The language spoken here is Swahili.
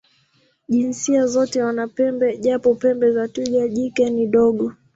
Jinsia zote wana pembe, japo pembe za twiga jike ni ndogo.